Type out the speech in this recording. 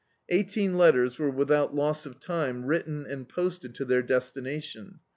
Eighteen letters were without loss of time written and posted to their destihation.